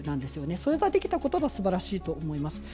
それができたことがすばらしいと思います。